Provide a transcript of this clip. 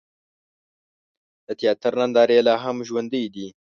د تیاتر نندارې لا هم ژوندۍ دي.